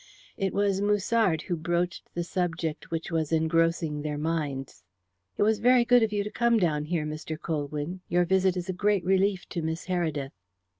It was Musard who broached the subject which was engrossing their minds. "It was very good of you to come down here, Mr. Colwyn. Your visit is a great relief to Miss Heredith."